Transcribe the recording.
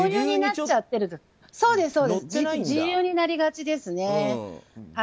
自流になりがちですね。